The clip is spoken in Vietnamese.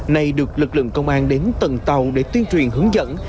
này được lực lượng công an đến tầng tàu để tuyên truyền hướng dẫn